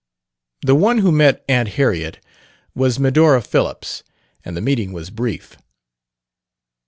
The one who met Aunt Harriet was Medora Phillips, and the meeting was brief.